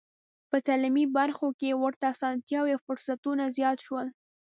په تعلیمي برخو کې ورته اسانتیاوې او فرصتونه زیات شول.